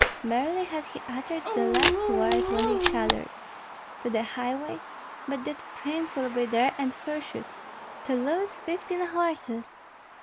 Barely had he uttered the last word when he shuddered, "To the highway? But that prince will be there, and pursuit. To lose fifteen horses!"